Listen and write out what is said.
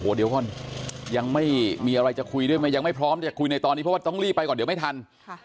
เดี๋ยวก่อนยังไม่มีอะไรจะคุยด้วยยังไม่พร้อมจะคุยในตอนนี้เพราะว่าต้องรีบไปก่อนเดี๋ยวไม่ทัน